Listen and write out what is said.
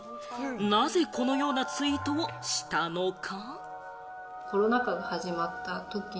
なぜこのようなツイートをしたのか？